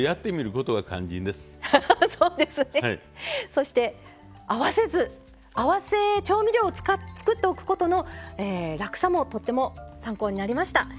そして合わせ酢合わせ調味料を作っておくことの楽さもとっても参考になりました。